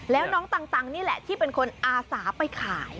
แล้วน้องตังนี่แหละที่เป็นคนอาสาไปขาย